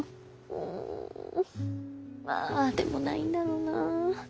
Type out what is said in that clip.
うんああでもないんだろうなあ。